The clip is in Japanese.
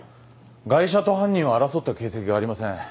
ガイ者と犯人は争った形跡がありません。